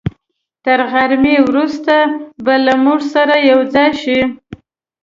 تر غرمې وروسته به له موږ سره یوځای شي.